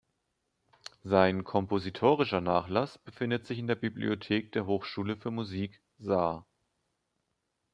Sein kompositorischer Nachlass befindet sich in der Bibliothek der Hochschule für Musik Saar.